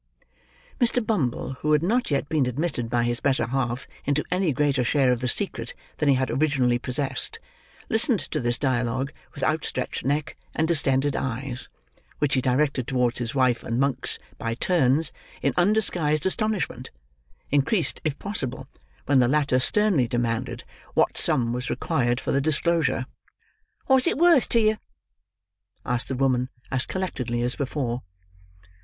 Mr. Bumble, who had not yet been admitted by his better half into any greater share of the secret than he had originally possessed, listened to this dialogue with outstretched neck and distended eyes: which he directed towards his wife and Monks, by turns, in undisguised astonishment; increased, if possible, when the latter sternly demanded, what sum was required for the disclosure. "What's it worth to you?" asked the woman, as collectedly as before.